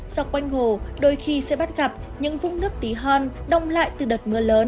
do quanh hồ đôi khi sẽ bắt gặp những vùng nước tí hon đông lại từ đợt mưa lớn